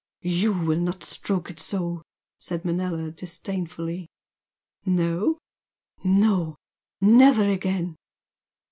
"YOU will not stroke it so!" said Manella, disdainfully. "No?" "No. Never again!"